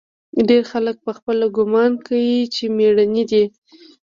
ډېر خلق پخپله ګومان کا چې مېړني دي.